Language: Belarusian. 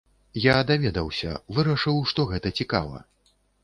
Я даведаўся, вырашыў, што гэта цікава.